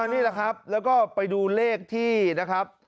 นี่แหละครับแล้วก็ไปดูเลขที่นะครับ